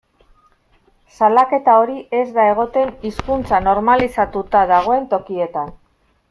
Salaketa hori ez da egoten hizkuntza normalizatuta dagoen tokietan.